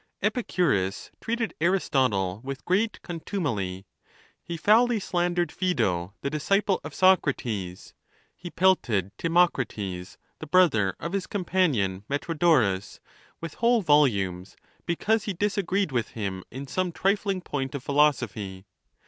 Epicurus treated Aristotle with great contumely. He foully slandered Phsedo, the disciple of Socrates. He pelted Timocrates, the brother of his com panion Metrodorus, with whole volumes, because he disa^ greed with him in some trifling point of philosophy.